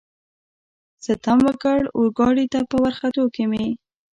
ستم وکړ، اورګاډي ته په ورختو کې مې.